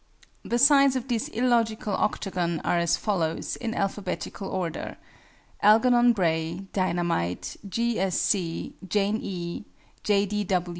The sides of this illogical octagon are as follows, in alphabetical order: ALGERNON BRAY, DINAH MITE, G. S. C., JANE E., J.